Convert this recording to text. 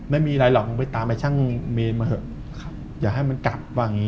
ไม่มีอะไรหรอกมึงไปตามช่างเมนเดรัดมาให้มันกลับ